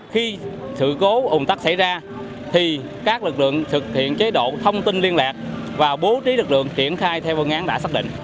khi sự cố ủng tắc xảy ra thì các lực lượng thực hiện chế độ thông tin liên lạc và bố trí lực lượng triển khai theo phương án đã xác định